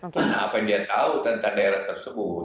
karena apa yang dia tahu tentang daerah tersebut